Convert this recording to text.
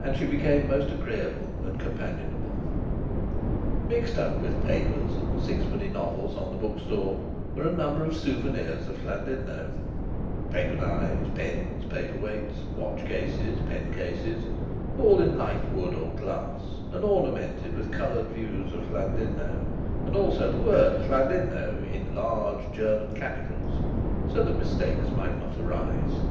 And she became most agreeable and companionable. Mixed up with papers and sixpenny novels on the bookstall were a number of souvenirs of Llandudno paper knives, pens, paper weights, watch cases, pen cases, all in light wood or glass, and ornamented with coloured views of Llandudno, and also the word "Llandudno" in large German capitals, so that mistakes might not arise.